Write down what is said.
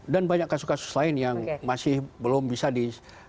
dan banyak kasus kasus lain yang masih belum bisa di